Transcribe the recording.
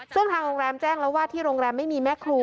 ซึ่งทางโรงแรมแจ้งแล้วว่าที่โรงแรมไม่มีแม่ครู